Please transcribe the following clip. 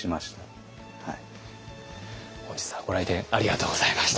本日はご来店ありがとうございました。